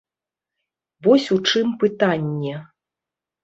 Вось у чым пытанне.